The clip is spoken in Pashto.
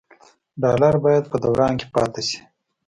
ډالر باید په دوران کې پاتې شي.